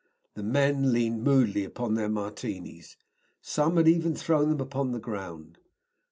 The men leaned moodily upon their Martinis. Some had even thrown them upon the ground.